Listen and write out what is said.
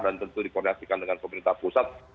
dan tentu dikorelasikan dengan pemerintah pusat